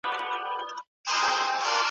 کاشکې ما ډېر وخت درلودای.